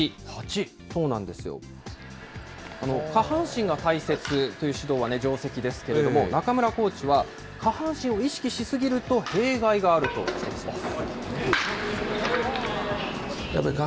そうなんですよ、下半身が大切という指導は定石ですけれども、中村コーチは、下半身を意識しすぎると弊害があると指摘します。